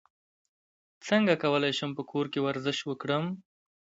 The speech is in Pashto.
څنګه کولی شم په کور کې ورزش وکړم